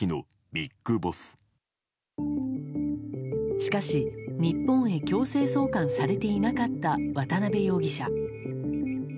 しかし、日本へ強制送還されていなかった渡辺容疑者。